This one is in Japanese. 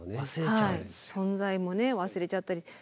はい存在もね忘れちゃったり。